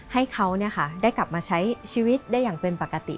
ให้เขาได้กลับมาใช้ชีวิตได้อย่างเป็นปกติ